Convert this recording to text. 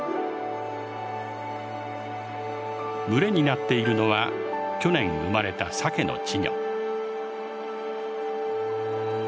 群れになっているのは去年生まれたサケの稚魚。